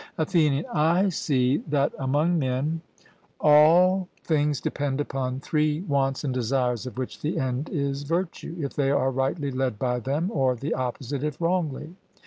ATHENIAN: I see that among men all things depend upon three wants and desires, of which the end is virtue, if they are rightly led by them, or the opposite if wrongly.